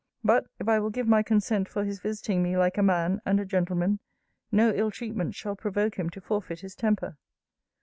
But, if I will give my consent for his visiting me like a man, and a gentleman, no ill treatment shall provoke him to forfeit his temper.